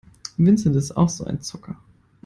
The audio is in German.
Vincent ist auch so ein Zocker.